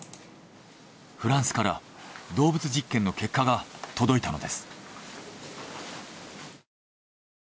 フランスから動物実験の結果が届いたのです。